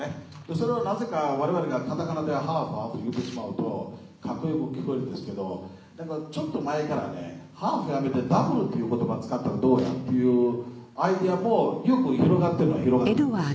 それをなぜか我々がカタカナで「ハーフハーフ」言うてしまうとカッコ良く聞こえるんですけどちょっと前からねハーフやめてダブルっていう言葉使ったらどうや？っていうアイデアもよく広がってるは広がってるんですよ。